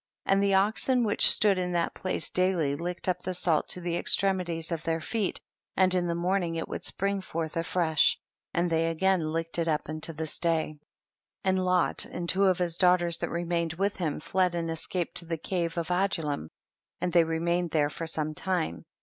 54. And the oxen which stood in that place daily licked up tlie salt to the extremities of their feet, and in the morning it would spring forth afresh, and they again licked it up unto this day. 55. And Lot and two of his daughters that remained with him fled and escaped to the cave of Adullam, and they remained there for some time.